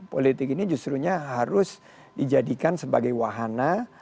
politik ini justru nya harus dijadikan sebagai wahana